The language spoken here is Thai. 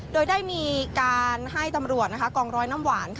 โดยได้มีการให้ตำรวจกองร้อยน้ำหวาน